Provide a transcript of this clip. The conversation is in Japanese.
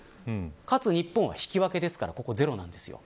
かつ日本は引き分けですからここゼロなんです。